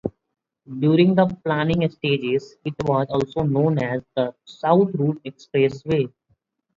During the planning stages it was also known as the South Route Expressway.